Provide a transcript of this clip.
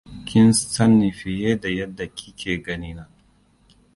Kin sanni fiye da yadda ki ke gani na.